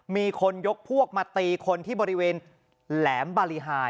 มีคนยกพวกมาตีคนที่บริเวณแหลมบาริหาย